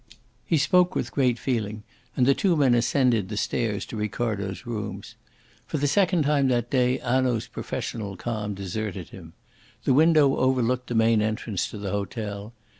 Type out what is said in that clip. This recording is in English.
He spoke with great feeling, and the two men ascended the stairs to Ricardo's rooms. For the second time that day Hanaud's professional calm deserted him. The window overlooked the main entrance to the hotel.